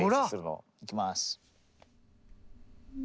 いきます。